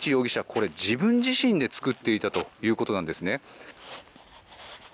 これ、自分自身で造っていたということなんですね。